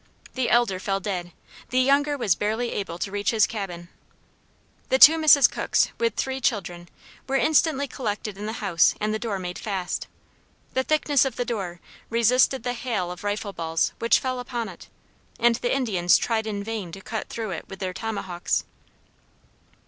The elder fell dead, the younger was barely able to reach his cabin. The two Mrs. Cooks with three children were instantly collected in the house and the door made fast. The thickness of the door resisted the hail of rifle balls which fell upon it, and the Indians tried in vain to cut through it with their tomahawks.